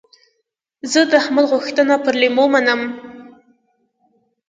زه د احمد غوښتنه پر لېمو منم.